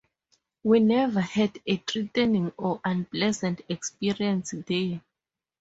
We never had a threatening or unpleasant experience there.